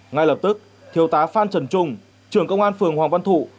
ngay lập tức thiếu tá phan trần trung trưởng công an phường hoàng văn thụ